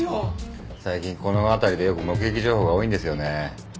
最近この辺りでよく目撃情報が多いんですよね。